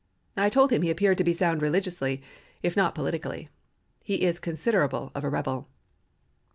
I told him he appeared to be sound religiously, if not politically; he is considerable of a rebel.